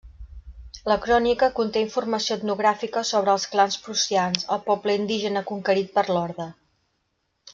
La crònica conté informació etnogràfica sobre els clans prussians, el poble indígena conquerit per l'orde.